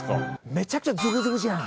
めちゃくちゃズブズブじゃん。